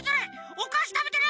おかしたべてる！